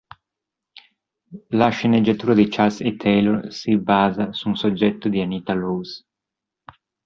La sceneggiatura di Charles A. Taylor si basa su un soggetto di Anita Loos.